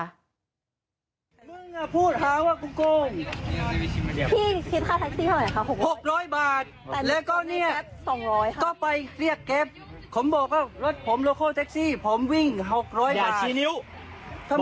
หมดโน้ตคิดว่าเราเป็นพวกสำรวจลิง๖๐๐บาท